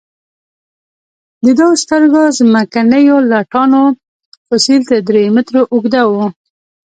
د دوو سترو ځمکنیو لټانو فسیل تر درې مترو اوږده وو.